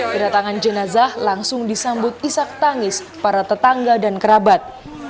kedatangan jenazah langsung disambut isak tangis para tetangga dan kerabat